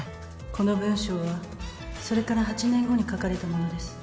この文章はそれから８年後に書かれたものです